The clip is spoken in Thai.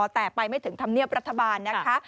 แต่ไปไม่ถึงธรรมเนียบรัฐบาลนะคะ